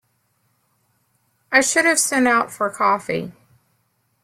I should have sent out for coffee.